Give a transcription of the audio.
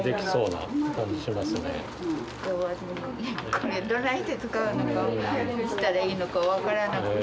これどないして使うのかどうしたらいいのか分からなくて。